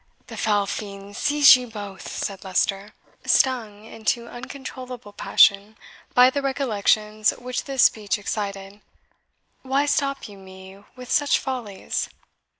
"The foul fiend seize ye both!" said Leicester, stung into uncontrollable passion by the recollections which this speech excited "why stop you me with such follies?"